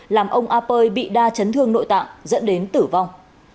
làm ông a pơi bị đa chấn thương nội tạng dẫn đến tử vong